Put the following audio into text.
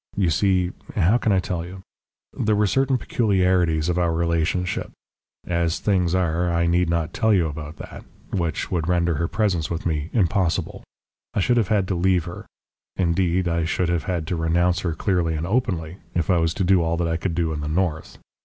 You see how can I tell you? There were certain peculiarities of our relationship as things are I need not tell you about that which would render her presence with me impossible. I should have had to leave her; indeed, I should have had to renounce her clearly and openly, if I was to do all that I could do in the north.